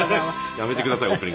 やめてください本当に。